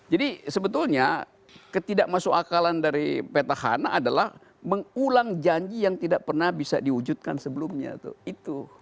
jadi sebetulnya ketidak masuk akalan dari peta hana adalah mengulang janji yang tidak pernah bisa diwujudkan sebelumnya tuh itu